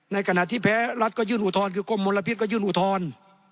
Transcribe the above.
ในขณะที่แพ้รัฐก็ยื่นอุทธรณ์คือกรมมลพิษก็ยื่นอุทธรณ์